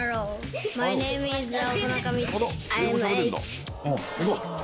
すごい！